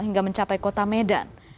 hingga mencapai kota medan